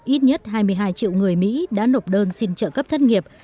ít nhất hai mươi hai triệu người mỹ đã nộp đơn xin trợ cấp thất nghiệp